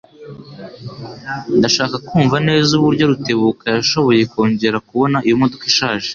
Ndashaka kumva neza uburyo Rutebuka yashoboye kongera kubona iyo modoka ishaje.